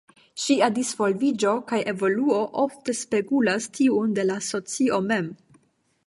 Ĝia disvolviĝo kaj evoluo ofte spegulas tiun de la socio mem.